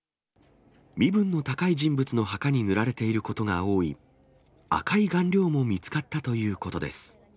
身分の高い人物の墓に塗られていることが多い、赤い顔料も見つかったということです。